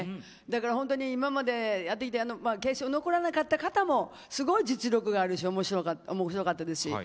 だから、今までやってきて決勝残らなかった方もすごい実力があるしおもしろかったですし。